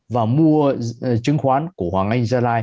và mua chứng khoán của hoàng anh